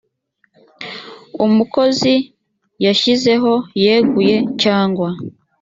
umukozi yashyizeho yeguye cyangwa